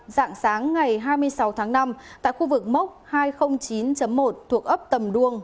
dạng sáng ngày hai mươi sáu tháng năm tại khu vực mốc hai trăm linh chín một thuộc ấp tầm đua